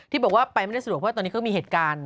บอกว่าไปไม่ได้สะดวกเพราะตอนนี้เขามีเหตุการณ์